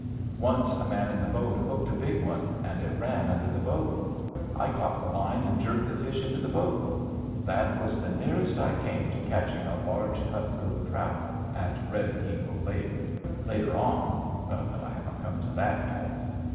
Once a man in the boat hooked a big one and it ran under the boat. I caught the line and jerked the fish into the boat. That was the nearest I came to catching a large cutthroat trout at Red Eagle Lake. Later on but I haven't come to that yet.